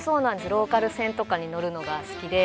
ローカル線とかに乗るのが好きで。